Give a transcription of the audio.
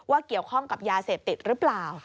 เกี่ยวข้องกับยาเสพติดหรือเปล่า